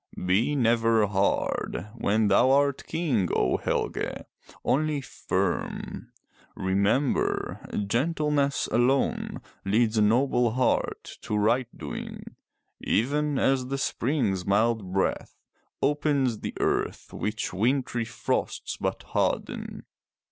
Be never hard when thou art King, O Helge, — only firm. Remember, gentleness alone leads a noble heart to right doing, even as the Spring's mild breath opens the earth which wintry frosts but harden..